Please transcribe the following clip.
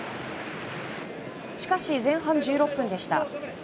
しかし、前半１６分でした。